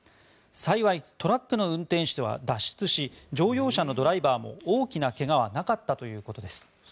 幸い、トラックの運転手は脱出し乗用車のドライバーも大きな怪我はなかったということです。